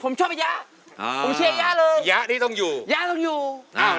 ผมชอบระยะอ่าผมเชียร์ย่าเลยระยะนี้ต้องอยู่ย่าต้องอยู่อ้าว